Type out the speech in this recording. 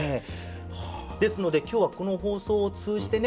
ですので今日はこの放送を通じてね